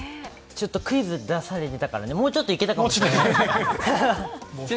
ちょっとクイズ出されてたからもうちょっといけたかもしれない。